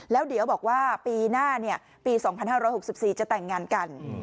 แล้วเดี๋ยวบอกว่าปีหน้าปี๒๕๖๔จะแต่งงานกัน